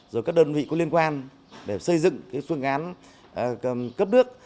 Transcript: rồi các đơn vị có liên quan để xây dựng phương án cấp nước